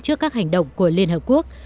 trước các hành động của liên hợp quốc